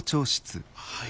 はい。